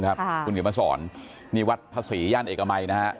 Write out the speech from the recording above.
คุณเกดมัสรนี่วัดพระศรีย่านเอกมัย